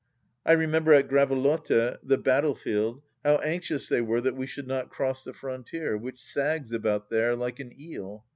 I remember at Gravelotte — the battle field — how anxious they were that we should not cross the frontier, which saggs about there like an eel.